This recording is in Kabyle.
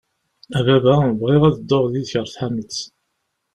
A baba, bɣiɣ ad dduɣ yid-k ɣer tḥanutt.